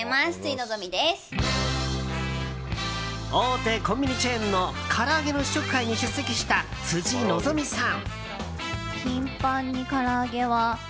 大手コンビニチェーンのから揚げの試食会に出席した辻希美さん。